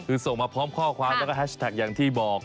คือส่งมาพร้อมข้อความแล้วก็แฮชแท็กอย่างที่บอก